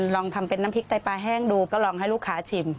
ลองทำเป็นน้ำพริกไตปลาแห้งดูก็ลองให้ลูกค้าชิม